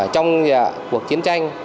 trong cuộc chiến tranh